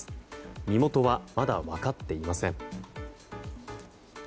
身元は、まだ分かっていません。